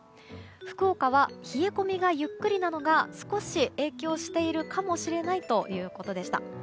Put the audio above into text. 福岡は冷え込みがゆっくりなのが少し影響しているかもしれないということでした。